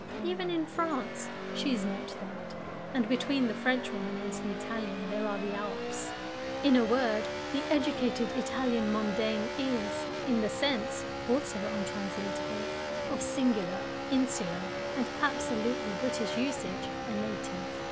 Even in France she is not that, and between the Frenchwoman and the Italian there are the Alps. In a word, the educated Italian mondaine is, in the sense (also untranslatable) of singular, insular, and absolutely British usage, a Native.